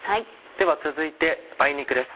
では続いて梅肉です。